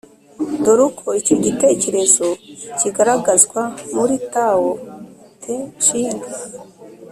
dore uko icyo gitekerezo kigaragazwa muri tao te ching: